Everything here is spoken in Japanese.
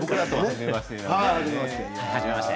はじめまして。